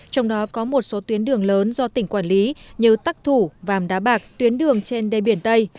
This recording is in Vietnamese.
trong đó có một số tuyến đường lớn do tỉnh quản lý như tắc thủ vàm đá bạc tuyến đường trên đê biển tây